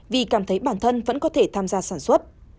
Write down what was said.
vì cảm thấy bản thân vẫn có thể tham gia sản xuất